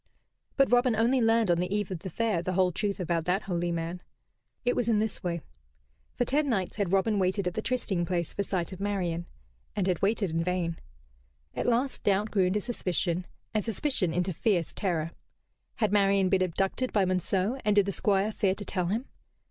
But Robin only learned on the eve of the Fair the whole truth about that holy man. It was in this way. For ten nights had Robin waited at the trysting place for sight of Marian; and had waited in vain. At last doubt grew into suspicion, and suspicion into fierce terror. Had Marian been abducted by Monceux, and did the Squire fear to tell him?